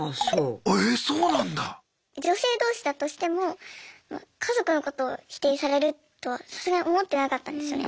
女性どうしだとしても家族のことを否定されるとはさすがに思ってなかったんですよね。